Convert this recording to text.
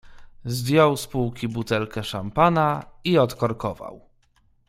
"Zdjął z półki butelkę szampana i odkorkował."